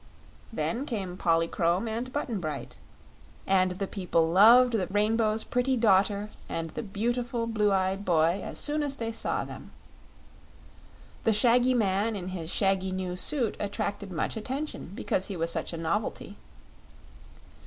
Then came Polychrome and Button Bright, and the people loved the Rainbow's pretty Daughter and the beautiful blue eyed boy as soon as they saw them. The shaggy man in his shaggy new suit attracted much attention because he was such a novelty.